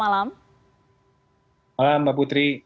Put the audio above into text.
selamat malam mbak putri